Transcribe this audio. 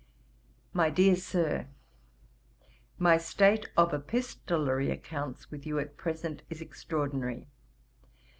'My Dear Sir, 'My state of epistolary accounts with you at present is extraordinary.